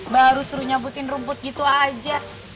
baru seru nyabutin rumput gitu aja